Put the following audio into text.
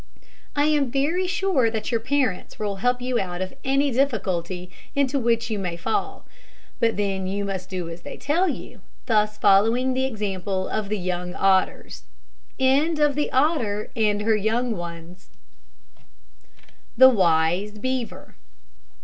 I am very sure that your parents will help you out of any difficulty into which you may fall; but then you must do as they tell you, thus following the example of the young otters. THE WISE BEAVER.